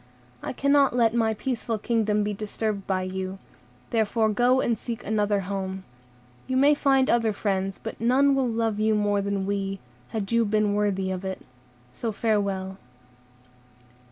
I cannot let my peaceful kingdom be disturbed by you; therefore go and seek another home. You may find other friends, but none will love you more than we, had you been worthy of it; so farewell."